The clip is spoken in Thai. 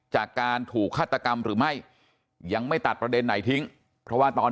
จากการถูกฆาตกรรมหรือไม่ยังไม่ตัดประเด็นไหนทิ้งเพราะว่าตอน